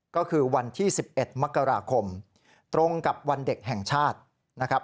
ก็คือวันที่๑๑มกราคมตรงกับวันเด็กแห่งชาตินะครับ